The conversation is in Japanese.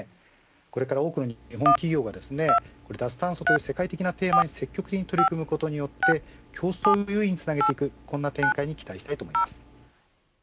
これから日本企業が脱炭素という世界的な企業のテーマに取り組むことによって競争優位につなげていく、こんな展開に期待したいと思います。